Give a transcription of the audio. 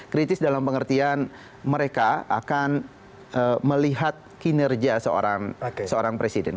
kritis dalam pengertian mereka akan melihat kinerja seorang presiden